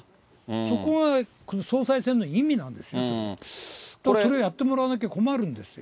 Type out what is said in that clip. そこが総裁選の意味なんですよ、だからそれやってもらわなきゃ困るんですよ。